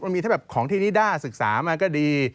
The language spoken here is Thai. มีถ้าแบบของที่นิด้าศึกษามาก็ดี